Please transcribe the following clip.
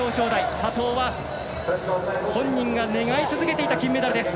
佐藤は本人が願い続けていた金メダルです。